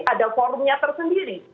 ada forumnya tersendiri